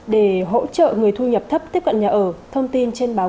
để hỗ trợ người thu nhập thấp tiếp cận nhà ở thông tin trên báo